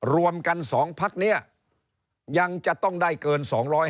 รวมกัน๒พักนี้ยังจะต้องได้เกิน๒๕